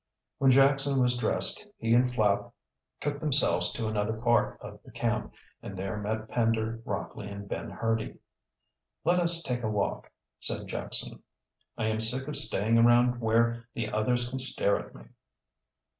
When Jackson was dressed he and Flapp took themselves to another part of the camp, and there met Pender, Rockley, and Ben Hurdy. "Let us take a walk," said Jackson. "I am sick of staying around where the others can stare at me."